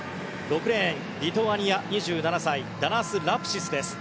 ６レーン、リトアニア２７歳ダナス・ラプシスです。